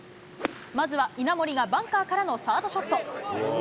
まずは稲森がバンカーからのサードショット。